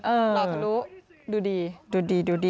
หล่อทะลุดูดีดูดี